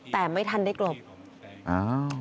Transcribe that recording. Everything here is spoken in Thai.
แต่ไม่ทันได้กลบอ้าว